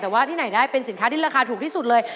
แต่ว่าที่ไหนได้เป็นสินค้าที่ราคาถูกที่สุดเลย